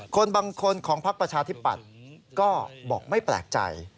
คนบางคนของพักประชาธิปัตย์ก็บอกไม่แปลกใจ